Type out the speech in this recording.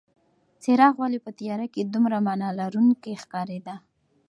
څراغ ولې په تیاره کې دومره مانا لرونکې ښکارېده؟